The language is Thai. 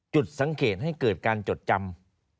จุดสังเกตให้เกิดการจดจำ